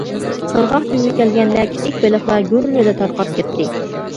قىرغاق تۈۋىگە كەلگەندە كىچىك بېلىقلار گۈررىدە تارقاپ كەتتى.